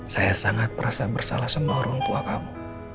saya sangat merasa bersalah semua orang tua kamu